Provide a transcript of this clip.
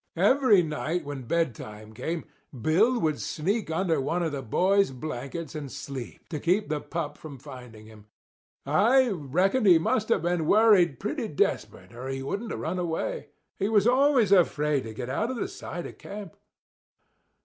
Every night when bedtime came Bill would sneak under one of the boy's blankets and sleep to keep the pup from finding him. I reckon he must have been worried pretty desperate or he wouldn't have run away. He was always afraid to get out of sight of camp."